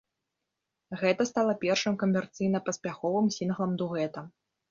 Гэта стала першым камерцыйна паспяховым сінглам дуэта.